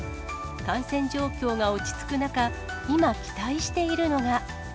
感染状況が落ち着く中、今、期待しているのが。